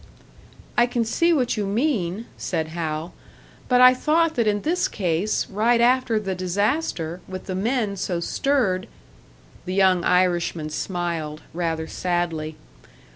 "I can see what you mean," said Hal. "But I thought that in this case, right after the disaster, with the men so stirred " The young Irishman smiled, rather sadly.